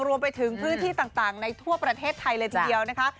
รวมไปถึงพื้นที่ต่างในทั่วประเทศไทยเลยทีเดียวนะคะ